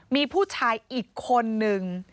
มีผู้ชายอีกคนนึง